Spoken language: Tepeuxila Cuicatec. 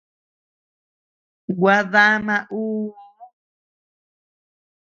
Gua damaa uu.